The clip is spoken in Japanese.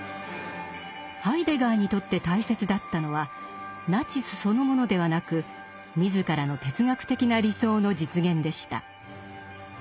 ハイデガーにとって大切だったのはナチスそのものではなく自らの哲学的な理想の実現でした。